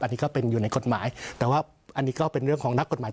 อันนี้ก็เป็นอยู่ในกฎหมายแต่ว่าอันนี้ก็เป็นเรื่องของนักกฎหมาย